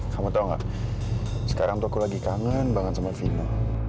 kamu tau gak sekarang tuh aku lagi kangen banget sama fina